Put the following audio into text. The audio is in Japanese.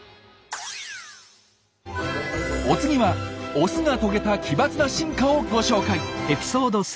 お次はオスが遂げた奇抜な進化をご紹介！